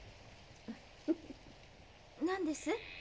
何です？